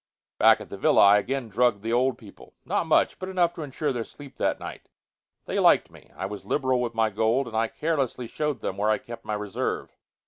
Back at the villa, I again drugged the old people, not much, but enough to insure their sleep that night. They liked me. I was liberal with my gold, and I carelessly showed them where I kept my reserve.